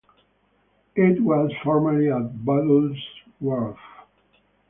It was formerly at Butler's Wharf.